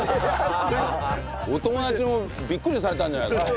お友達もビックリされたんじゃないですか？